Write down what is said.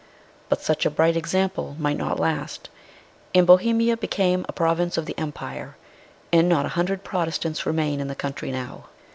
But such a bright example might not last, and Bohemia became a province of the Empire, and not a hundred Protestants remain in the country now.